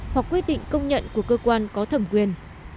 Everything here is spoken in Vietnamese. hoặc quyết định công nhận của cơ quan có thẩm quyền